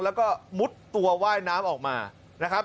แล้วก็มุดตัวว่ายน้ำออกมานะครับ